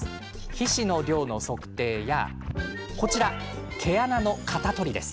皮脂の量の測定やこちら、毛穴の型取り。